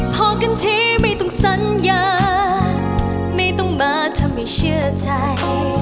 พอกันทีไม่ต้องสัญญาไม่ต้องมาทำไมเชื่อใจ